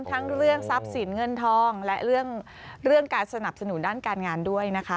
ทั้งเรื่องทรัพย์สินเงินทองและเรื่องการสนับสนุนด้านการงานด้วยนะคะ